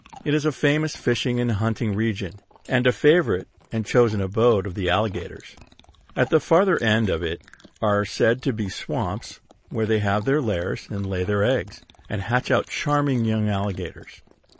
It is a famous fishing and hunting region, and a favorite and chosen abode of the alligators. At the farther end of it are said to be swamps where they have their lairs, and lay their eggs, and hatch out charming young alligators.